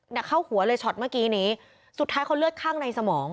เนี่ยเข้าหัวเลยมากี๊นี้สุดท้ายเขาเลือดข้างในสมอง